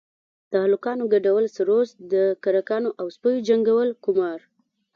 د هلکانو گډول سروذ د کرکانو او سپيو جنگول قمار.